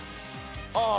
ああ！